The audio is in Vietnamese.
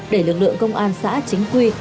để lực lượng công an xã chính quy